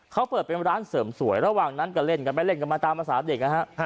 เขาเปิดเป็นร้านเสริมสวยระหว่างนั้นก็เล่นกันไปเล่นกันมาตามภาษาเด็กนะฮะ